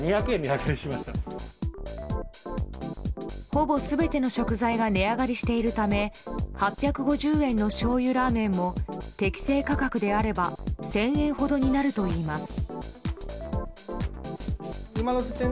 ほぼ全ての食材が値上がりしているため８５０円のしょうゆラーメンも適正価格であれば１０００円ほどになるといいます。